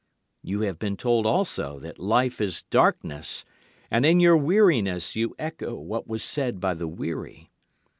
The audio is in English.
You have been told also that life is darkness, and in your weariness you echo what was said by the weary.